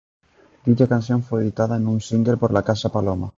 Dicha canción fue editada en un single por la casa Paloma.